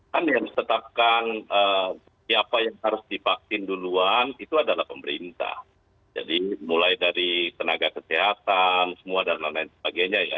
kan yang ditetapkan siapa yang harus divaksin duluan itu adalah pemerintah jadi mulai dari tenaga kesehatan semua dan lain lain sebagainya ya